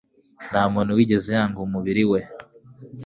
nta muntu wigeze yanga umubiri we